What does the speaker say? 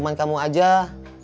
tak ada salah